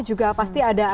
juga pasti ada